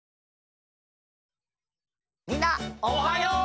みんなおはよう！